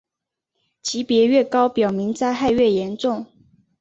级别越高表明灾害越严重。